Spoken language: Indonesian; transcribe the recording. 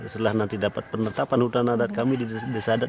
setelah nanti dapat penetapan hutan adat kami di desa adat